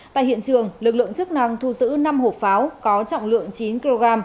tại hiện trường lực lượng chức năng thu giữ năm hộp pháo có trọng lượng chín kg